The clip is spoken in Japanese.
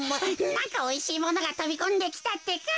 なんかおいしいものがとびこんできたってか。